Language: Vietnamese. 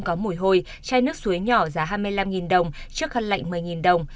có mùi hôi chai nước suối nhỏ giá hai mươi năm đồng trước khăn lạnh một mươi đồng